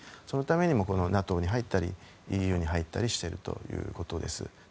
そのためにもＮＡＴＯに入ったりＥＵに入ったりしているということです。